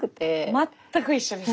全く一緒です。